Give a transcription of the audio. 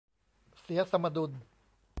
เสียสมดุล